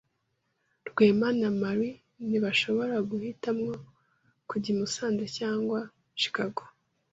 Rwema na Mary ntibashobora guhitamo kujya i Musanze cyangwa Chicago.